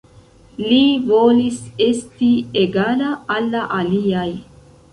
Li volis esti egala al la aliaj.